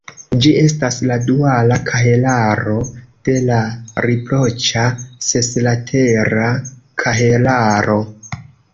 Ĝi estas la duala kahelaro de la riproĉa seslatera kahelaro.